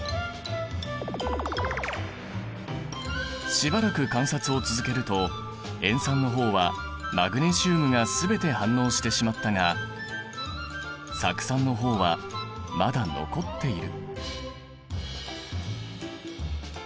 しばらく観察を続けると塩酸の方はマグネシウムが全て反応してしまったが酢酸の方はまだ残っている。